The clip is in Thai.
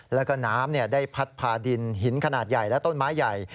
แล้วก็น้ำได้พัดพาดินหินขนาดใหญ่และต้นไม้ใหญ่